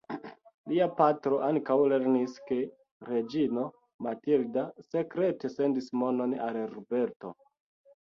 Lia patro ankaŭ lernis ke Reĝino Matilda sekrete sendis monon al Roberto.